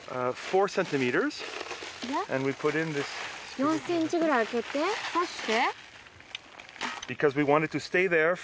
４ｃｍぐらい開けて挿して。